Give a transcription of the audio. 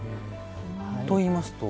といいますと？